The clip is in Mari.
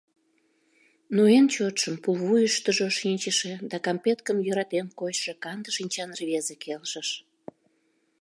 Но эн чотшым пулвуйыштыжо шинчыше да кампеткым йӧратен кочшо канде шинчан рвезе келшыш.